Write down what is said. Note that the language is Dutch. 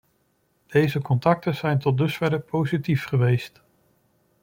Deze contacten zijn tot dusverre positief geweest.